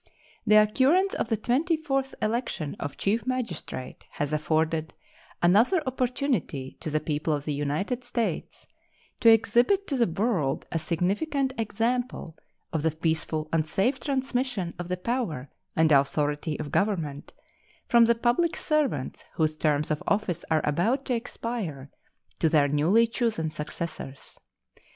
The occurrence of the twenty fourth election of Chief Magistrate has afforded another opportunity to the people of the United States to exhibit to the world a significant example of the peaceful and safe transmission of the power and authority of government from the public servants whose terms of office are about to expire to their newly chosen successors.